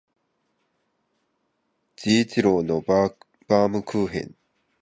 治一郎のバームクーヘン